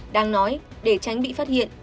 đang nói để tránh bị phát hiện